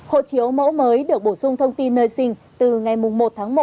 hộ chiếu mẫu mới được bổ sung thông tin nơi sinh từ ngày một tháng một